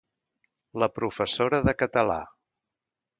La professora de català.